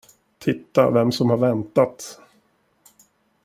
Titta vem som har väntat.